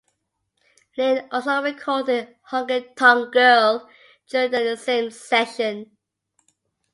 Lynn also recorded "Honky Tonk Girl" during the same session.